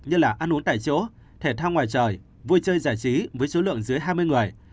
như là ăn uống tại chỗ thể thao ngoài trời vui chơi giải trí với số lượng dưới hai mươi người